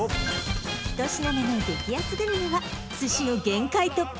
１品目の激安グルメは寿司の限界突破！